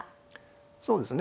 そうですね。